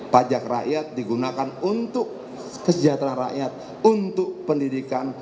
pajak rakyat digunakan untuk kesejahteraan rakyat untuk pendidikan